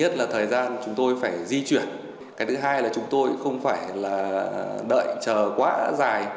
thứ nhất là thời gian chúng tôi phải di chuyển cái thứ hai là chúng tôi không phải là đợi chờ quá dài